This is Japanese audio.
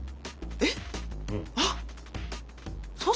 えっ？